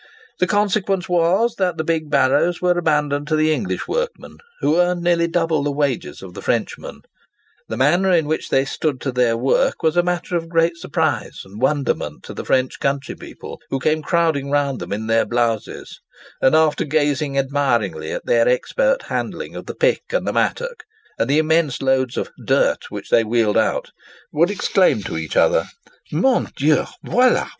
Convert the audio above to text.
The consequence was that the big barrows were abandoned to the English workmen, who earned nearly double the wages of the Frenchmen. The manner in which they stood to their work was matter of great surprise and wonderment to the French countrypeople, who came crowding round them in their blouses, and, after gazing admiringly at their expert handling of the pick and mattock, and the immense loads of "dirt" which they wheeled out, would exclaim to each other, "Mon Dieu, voila!